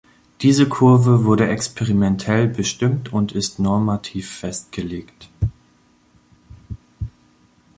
Diese Kurve wurde experimentell bestimmt und ist normativ festgelegt.